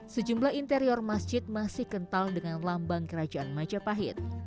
sejumlah interior masjid masih kental dengan lambang kerajaan majapahit